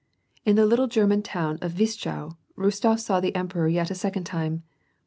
In the little German town of Wischau, Kostof saw the emperor yet a second time.